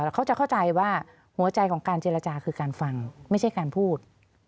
เขาจะเข้าใจว่าหัวใจของการเจรจาคือการฟังไม่ใช่การพูด